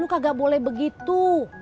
lu kagak boleh begitu